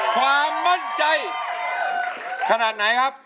ความมั่นใจขนาดไหนครับ